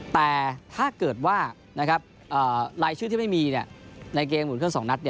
แต่ถ้าเกิดว่ารายชื่อที่ไม่มีในเกมหุ่นเครื่อง๒นัด